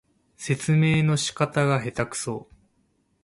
説明の仕方がへたくそ